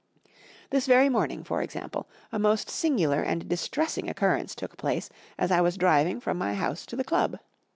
Tliis very morning, for example, a most singular and distressing occurrence took place as I was driving from my house to the club.